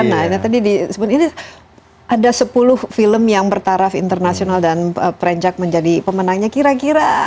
nah ini tadi disebut ini ada sepuluh film yang bertaraf internasional dan prenjak menjadi pemenangnya kira kira